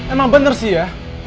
emang bener sih ya